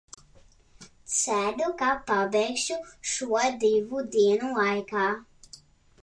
Ceru, ka pabeigšu šo divu dienu laikā.